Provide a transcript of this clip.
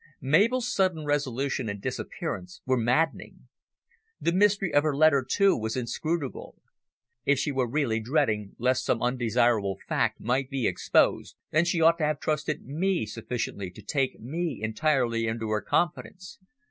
Mabel's sudden resolution and disappearance were maddening. The mystery of her letter, too, was inscrutable. If she were really dreading lest some undesirable fact might be exposed, then she ought to have trusted me sufficiently to take me entirely into her confidence.